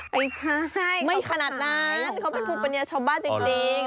ไม่ใช่เขาขนาดนั้นเขาเป็นผูปเนียชาวบ้านจริง